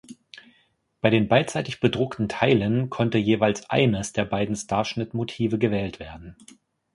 Bei den beidseitig bedruckten Teilen konnte jeweils eines der beiden Starschnitt-Motive gewählt werden.